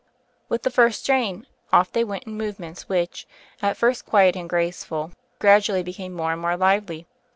With the first strain, off they went in move ments which, at first quiet and graceful, gradu ally became more and more lively.